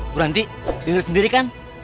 berhenti diharap sendiri kan